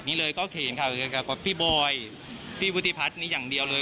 นี่เลยก็เขียนเขากับพี่บอยพี่พู่ทิพัฒน์อย่างเดียวเลย